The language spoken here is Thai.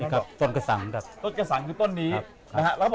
ต้นกระสังครับต้นกระสังคือต้นนี้นะครับ